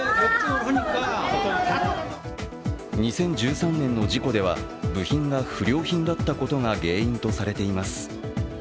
２０１３年の事故では部品が不良品だったことが原因とされています。